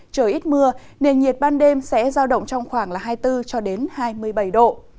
trời ít mưa nền nhiệt ban đêm sẽ giao động trong khoảng hai mươi bốn cho đến hai mươi bảy độ